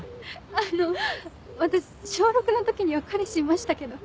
あの私小６の時には彼氏いましたけど。